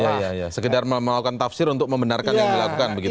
ya ya ya sekedar melakukan tafsir untuk membenarkan yang dilakukan begitu ya